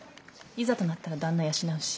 いざとなったらダンナ養うし。